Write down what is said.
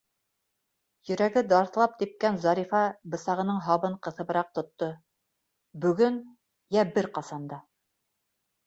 Йөрәге дарҫлап типкән Зарифа бысағының һабын ҡыҫыбыраҡ тотто: «Бөгөн, йә бер ҡасан да!»